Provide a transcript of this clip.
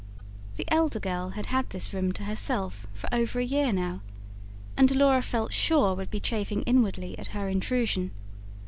The elder girl had had this room to herself for over a year now, and Laura felt sure would be chafing inwardly at her intrusion.